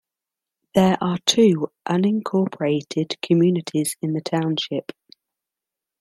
There are two unincorporated communities in the township.